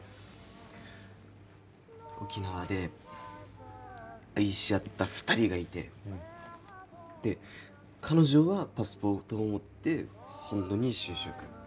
沖縄で愛し合った２人がいてで彼女はパスポートを持って本土に就職。